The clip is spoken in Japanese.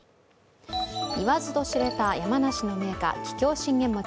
言わずと知れた山梨の銘菓桔梗信玄餅。